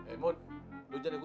amat jadi orang